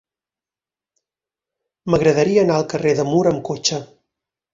M'agradaria anar al carrer de Mur amb cotxe.